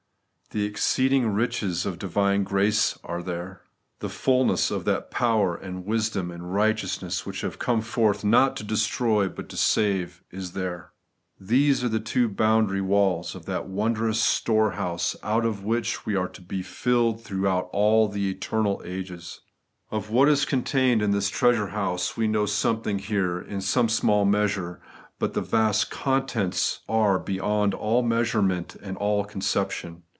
The exceeding riches of divine grace are there. The fulness of that power and wisdom and righteousness, which have come forth, not to destroy, but to save, is there. These are the two boundary walls of that wondrous store house out of which we are to be filled throughout the eternal ages. ^ Of what is contained in this treasure house we know something here, in some smaU measure ; but the vast contents are beyond aU measurement and all conception.